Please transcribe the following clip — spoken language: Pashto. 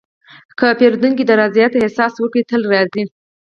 که پیرودونکی د رضایت احساس وکړي، تل راځي.